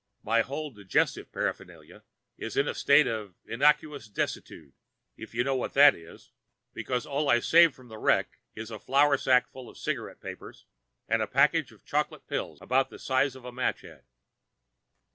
My whole digestive paraphernalia is in a state of innocuous desuetude, if you know what that is, because all I save from the wreck is a flour sack full of cigarette papers and a package of chocolate pills about the size of a match head.